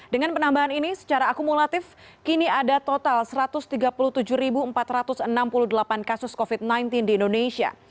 dengan penambahan ini secara akumulatif kini ada total satu ratus tiga puluh tujuh empat ratus enam puluh delapan kasus covid sembilan belas di indonesia